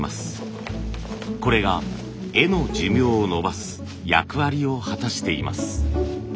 これが絵の寿命を延ばす役割を果たしています。